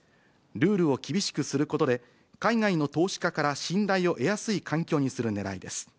ルールを厳しくすることで、海外の投資家から信頼を得やすい環境にするねらいです。